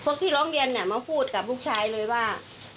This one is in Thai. ที่ร้องเรียนมาพูดกับลูกชายเลยว่า